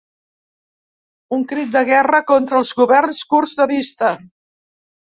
Un crit de guerra contra els governs curts de vista.